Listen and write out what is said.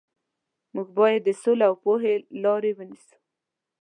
موږ باید د سولې او پوهې لارې ونیسو.